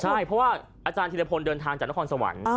ใช่เพราะว่าอาจารย์ธิรพลเดินทางจากนครสวรรค์